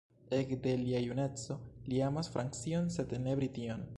Ekde lia juneco li amas Francion sed ne Brition.